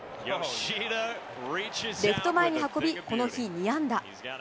レフト前に運び、この日２安打。